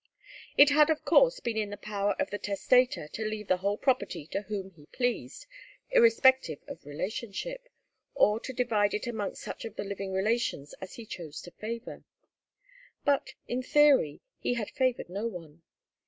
It had of course been in the power of the testator to leave the whole property to whom he pleased, irrespective of relationship, or to divide it amongst such of the living relations as he chose to favour. But, in theory, he had favoured no one.